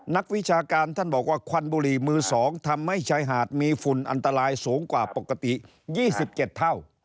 วิชาการท่านบอกว่าควันบุหรี่มือ๒ทำให้ชายหาดมีฝุ่นอันตรายสูงกว่าปกติ๒๗เท่า